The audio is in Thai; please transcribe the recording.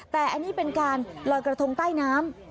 แต่อันนี้เป็นการลอยกระทงใต้น้ำ